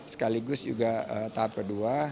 sekaligus juga tahap kedua